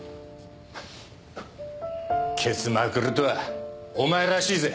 ケツまくるとはお前らしいぜ。